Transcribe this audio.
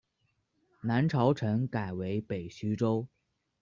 南朝陈改为北徐州。